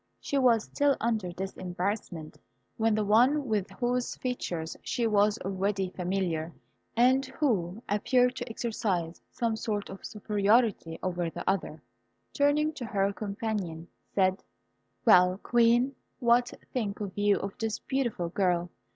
She was still under this embarrassment, when the one with whose features she was already familiar, and who appeared to exercise some sort of superiority over the other, turning to her companion, said, "Well, Queen, what think you of this beautiful girl?